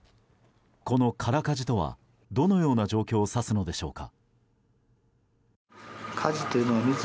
この空かじとはどのような状況を指すのでしょうか。